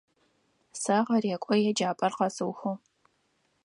Сэ гъэрекӏо еджапӏэр къэсыухыгъ.